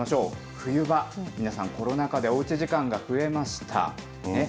冬場、皆さんコロナ禍でおうち時間が増えました。